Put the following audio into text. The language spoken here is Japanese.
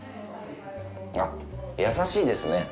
あっ、優しいですね。